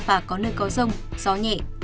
và có nơi có rông gió nhẹ